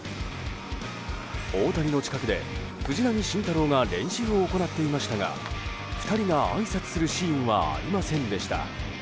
大谷の近くで藤浪晋太郎が練習を行っていましたが２人があいさつするシーンはありませんでした。